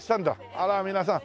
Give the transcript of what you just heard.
あら皆さん